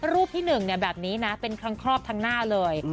รูปที่หนึ่งเนี่ยแบบนี้นะเป็นครั้งครอบทางหน้าเลย